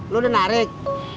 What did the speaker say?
lu udah narik